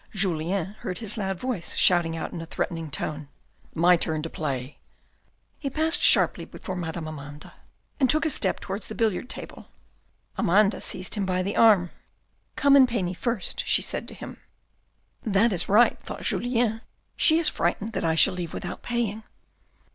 Julien heard his loud voice shouting out in a threatening tone, " My turn to play." He passed sharply before Madame Amanda, and took a step towards the billiard table. Amanda seized him by the arm. " Come and pay me first," she said to him. A CAPITAL 173 " That is right," thought Julien. " She is frightened that I shall leave without paying."